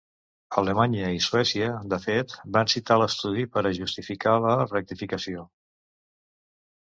Alemanya i Suècia, de fet, van citar l’estudi per a justificar la rectificació.